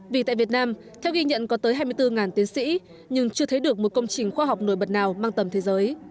vì tại việt nam theo ghi nhận có tới hai mươi bốn tiến sĩ nhưng chưa thấy được một công trình khoa học nổi bật nào mang tầm thế giới